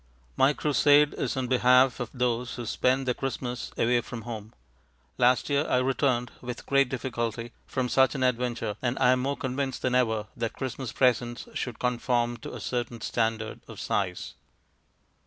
My crusade is on behalf of those who spend their Christmas away from home. Last year I returned (with great difficulty) from such an adventure and I am more convinced than ever that Christmas presents should conform to a certain standard of size.